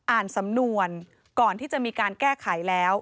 อ่านสำนวนก่อนที่จะมีการแก้ไขแล้ว